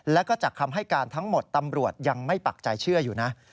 แล้วก็จากคำให้การทั้งหมดตำรวจยังไม่ปักใจเชื่ออยู่นะ